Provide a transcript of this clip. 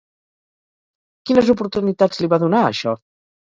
Quines oportunitats li va donar això?